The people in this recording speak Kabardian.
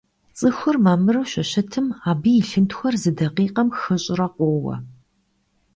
ЦӀыхур мамыру щыщытым абы и лъынтхуэр зы дакъикъэм хыщӀрэ къоуэ.